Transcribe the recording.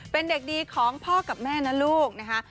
เป็นเด็กดีของพ่อกับแม่นะลูกนะคะ